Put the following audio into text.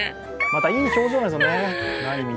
また、いい表情なんですよね。